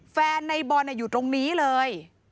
แฟนในบอลอยู่ตรงนี้เลย